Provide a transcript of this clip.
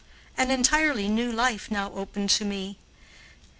An entirely new life now opened to me.